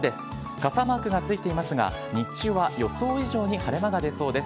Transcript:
傘マークがついていますが、日中は予想以上に晴れ間が出そうです。